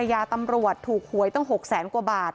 ภรรยาตำรวจถูกหวยตั้ง๖๐๐๐๐๐กว่าบาท